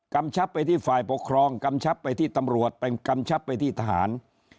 ชับไปที่ฝ่ายปกครองกำชับไปที่ตำรวจไปกำชับไปที่ทหาร